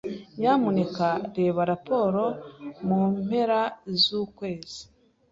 Nyamuneka reba raporo mu mpera z'ukwezi.